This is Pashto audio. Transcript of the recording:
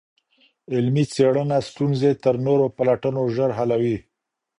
علمي څېړنه ستونزي تر نورو پلټنو ژر حلوي.